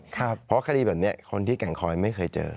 เพราะคดีแบบนี้คนที่แก่งคอยไม่เคยเจอ